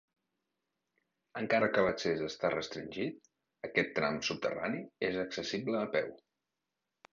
Encara que l'accés està restringit, aquest tram subterrani és accessible a peu.